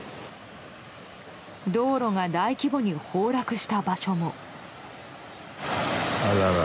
道路が大規模に崩落した場所も。